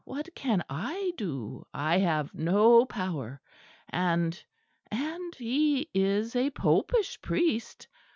"What can I do? I have no power. And and he is a popish priest!